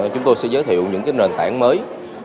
chúng tôi sẽ giới thiệu những nền tảng mới